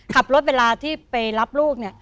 ขับรถเวลาที่ไปรับลูกเนี่ย